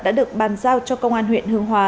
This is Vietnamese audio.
đã được bàn giao cho công an huyện hương hóa